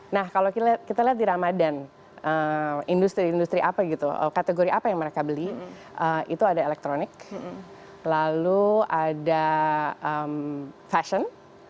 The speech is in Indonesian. nah kalau kita lihat di ramadan industri industri apa gitu kategori apa yang mereka beli itu ada elektronik lalu ada fashion